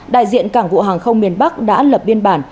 đại diện cảng vụ hàng không miền bắc đã lập biên bản